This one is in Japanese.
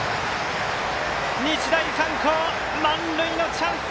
日大三高満塁のチャンス